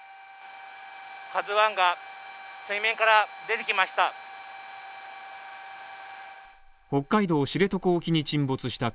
「ＫＡＺＵ１」が水面から出てきました。